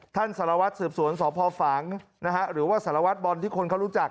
ท่านสารวัฒน์เสือบสวนสภฝางหรือว่าสารวัฒน์บอลที่คนเขารู้จัก